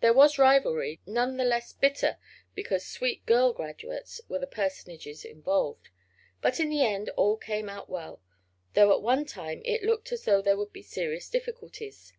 There was rivalry, none the less bitter because "sweet girl graduates" were the personages involved. But, in the end, all came out well, though at one time it looked as though there would be serious difficulties.